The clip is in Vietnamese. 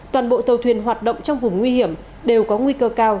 toàn bộ tàu thuyền hoạt động trong vùng nguy hiểm đều có nguy cơ cao